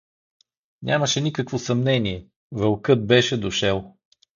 Нямаше никакво съмнение — вълкът беше дошел.